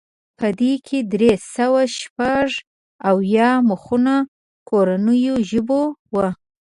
په دې کې درې سوه شپږ اویا مخونه کورنیو ژبو وو.